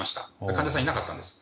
患者さんがいなかったんです。